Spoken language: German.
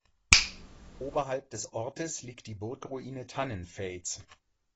Oberhalb des Ortes liegt die Burgruine Tannenfels.